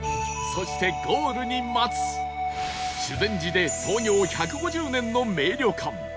そしてゴールに待つ修善寺で創業１５０年の名旅館